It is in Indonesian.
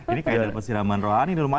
ini kayaknya dapat siraman rohani di rumah